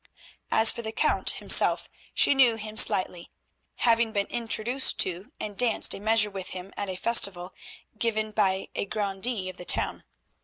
As for the Count himself she knew him slightly, having been introduced to and danced a measure with him at a festival given by a grandee of the town.